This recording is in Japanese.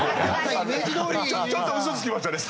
ちょっとウソつきましたね。